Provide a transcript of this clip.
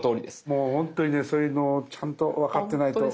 もう本当にねそういうのをちゃんと分かってないと。